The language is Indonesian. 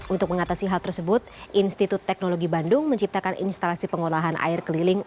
untuk mengatasi hal tersebut institut teknologi bandung menciptakan instalasi pengolahan air keliling